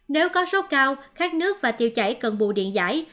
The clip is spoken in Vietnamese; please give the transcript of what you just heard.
nếu có sốt cao khát nước và tiêu chảy cần bù điện giải